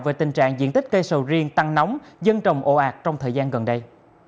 về tình trạng diện tích cây sầu riêng tăng nóng dân trồng ồ ạt trong thời gian gần đây